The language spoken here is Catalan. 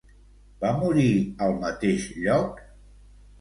Va morir al mateix lloc?